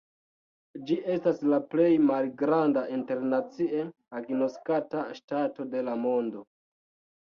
Ĝi estas la plej malgranda internacie agnoskata ŝtato de la mondo.